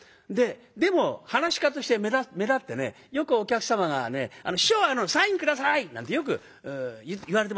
でも噺家として目立ってねよくお客様がね「師匠サイン下さい」なんてよく言われてましたよ。